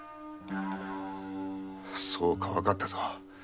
そうかわかったぞ。